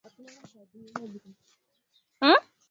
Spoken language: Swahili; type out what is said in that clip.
Amri ya Mungu yote inasemea upendo